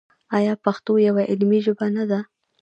آیا پښتو یوه علمي ژبه نه ده؟